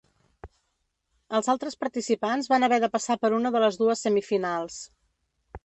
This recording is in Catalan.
Els altres participants van haver de passar per una de les dues semifinals.